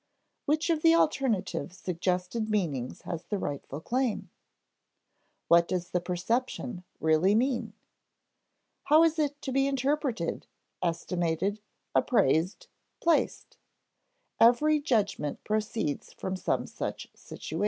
Which of the alternative suggested meanings has the rightful claim? What does the perception really mean? How is it to be interpreted, estimated, appraised, placed? Every judgment proceeds from some such situation.